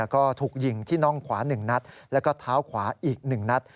ก็ถูกยิงที่น่องขวา๑นัดแล้วก็เท้าขวาอีก๑นัด